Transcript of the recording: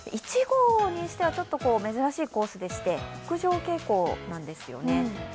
１号にしては、珍しいコースでして、北上傾向なんですよね。